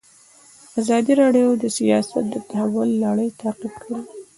ازادي راډیو د سیاست د تحول لړۍ تعقیب کړې.